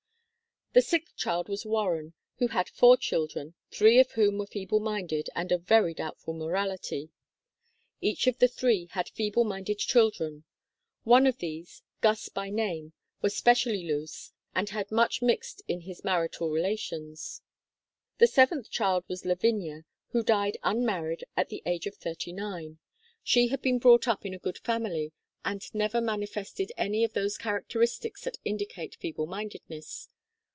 The sixth child was Warren, who had four children, three of whom were feeble minded and of very doubtful morality. Each of the three had feeble minded chil dren. One of these, Guss by name, was specially loose and much mixed in his marital relations. The seventh child was Lavinia, who died unmarried at the age of thirty nine. She had been brought up THE DATA 25 in a good family and never manifested any of those characteristics that indicate feeble mindedness.